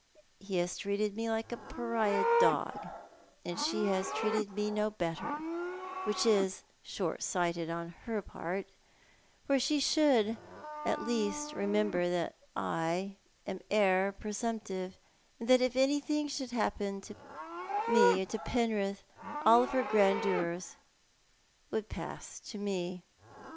He has treated me like a pariah dog, and she has treated me no better, which is shortsighted on her part, for she should at least remember that I am heir presumptive, and that if anything happened to Penrith all her grandeurs would pass to me.